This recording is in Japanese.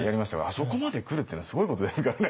あそこまで来るっていうのはすごいことですからね